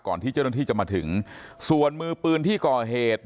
ที่เจ้าหน้าที่จะมาถึงส่วนมือปืนที่ก่อเหตุ